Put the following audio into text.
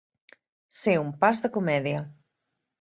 Ser un pas de comèdia.